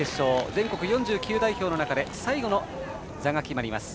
全国４９代表の中で最後の座が決まります。